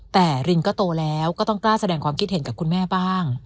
แต่รินก็โตแล้วก็ต้องกล้าแสดงความคิดเห็นกับคุณแม่บ้าง